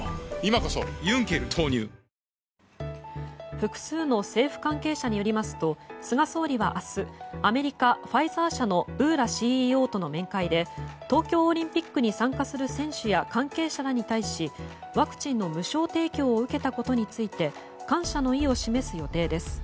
複数の政府関係者によりますと菅総理は明日アメリカ、ファイザー社のブーラＣＥＯとの面会で東京オリンピックに参加する選手や関係者らに対しワクチンの無償提供を受けたことについて感謝の意を示す予定です。